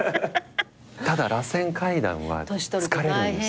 ただらせん階段は疲れるんです。